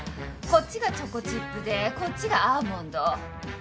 こっちがチョコチップでこっちがアーモンド。